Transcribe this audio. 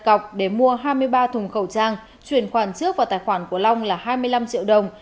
cọc để mua hai mươi ba thùng khẩu trang chuyển khoản trước vào tài khoản của long là hai mươi năm triệu đồng